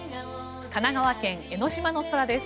神奈川県・江の島の空です。